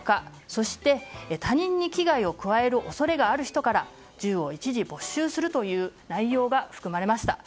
そして他人に危害を加える恐れがある人から銃を一時没収するという内容が組み込まれました。